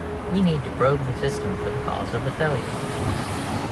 We need to probe the system for the cause of the failure.